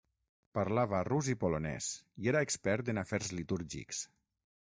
Parlava rus i polonès, i era expert en afers litúrgics.